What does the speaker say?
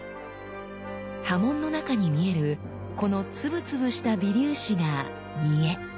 刃文の中に見えるこのツブツブした微粒子が「沸」。